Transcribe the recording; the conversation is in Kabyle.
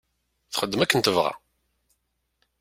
Txeddem akken tebɣa.